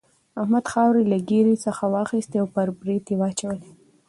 احمد خاورې له ږيرې څخه واخيستې پر برېت يې واچولې.